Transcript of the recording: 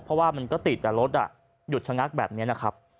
เพราะว่ามันก็ติดแต่รถหยุดชะงักแบบนี้นะครับ